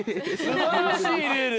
すばらしいルール。